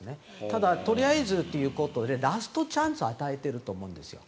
ただ、とりあえずということでラストチャンスを与えていると思うんですよ。